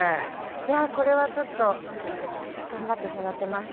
いやこれはちょっと頑張って育てます。